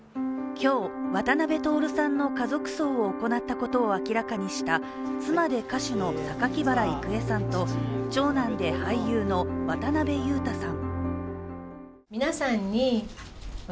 今日、渡辺徹さんの家族葬を行ったことを明らかにした妻で歌手の榊原郁恵さんと長男で俳優の渡辺裕太さん。